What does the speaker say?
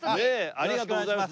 ありがとうございます。